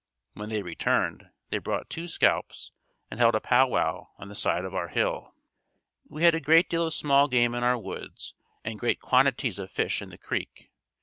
When they returned, they brought two scalps and held a "pow wow" on the side of our hill. We had a great deal of small game in our woods, and great quantities of fish in the creek.